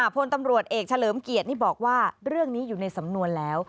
พลตำรวจเอกเฉลิมเกียรตินี่บอกว่าเรื่องนี้อยู่ในสำนวนแล้ว